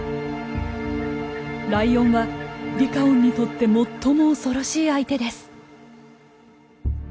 ライオンはリカオンにとって最も恐ろしい相手です。